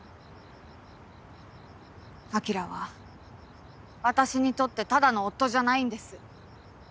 晶は私にとってただの夫じゃないんです。